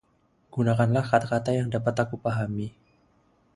Gunakanlah kata-kata yang dapat aku pahami.